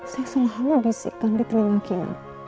saya selalu bisikkan di telinga kita